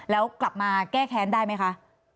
แล้วกลับมาแก้แค้นได้ไหมคะ